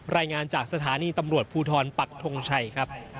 รายงานจากสถานีตำรวจภูทรปักทงชัยครับ